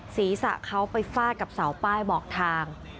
ศีรษะเขาไปฟาดกับเสาป้ายบอกทาง